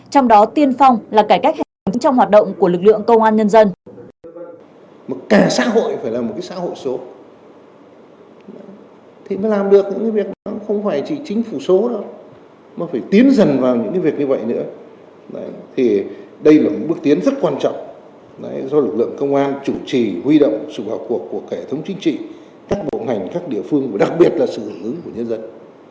trong đó tiên phong là cải cách hành chính trong hoạt động của lực lượng công an nhân dân